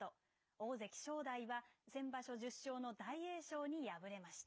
大関・正代は先場所１０勝の大栄翔に敗れました。